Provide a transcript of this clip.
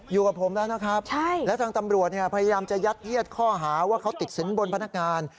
อยู่กับผมแล้วนะครับและทางตำรวจเนี่ยพยายามจะยัดเยียดข้อหาว่าเขาติดสินบนพนักงาน